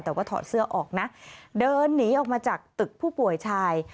แต่ว่าถอดเสื้อออกนะเดินหนีออกมาจากตึกผู้ป่วยชาย